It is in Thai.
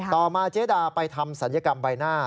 ต่อมาเจ๊ดาไปทำศัลยกรรมใบหน้า